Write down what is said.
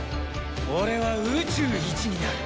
俺は宇宙一になる。